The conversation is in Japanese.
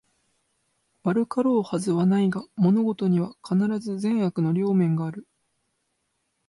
悪かろうはずはないが、物事には必ず善悪の両面がある